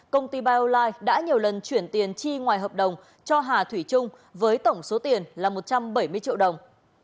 công ty bione đã nhiều lần chuyển tiền chi ngoài hợp đồng cho hà thủy trung với tổng số tiền là một trăm bảy mươi triệu đồng